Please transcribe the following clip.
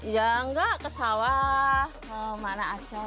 ya enggak ke sawah mau mana aja